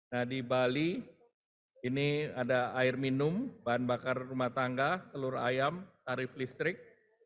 nah di bali ini ada air minum bahan bakar rumah tangga telur ayam tarif listrik